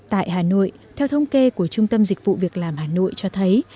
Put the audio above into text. tại hà nội theo thông kê của trung tâm dịch vụ việc làm hà nội cho thấy